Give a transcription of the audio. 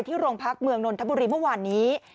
ที่โรงพักษณ์เมืองนทบุรีเมื่อวานนี้